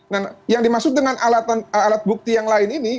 nah yang dimaksud dengan alat bukti yang lain ini